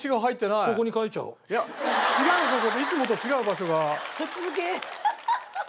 いや違ういつもと違う場所が。